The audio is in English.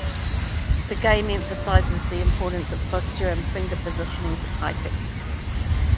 The game emphasizes the importance of posture and finger positioning for typing.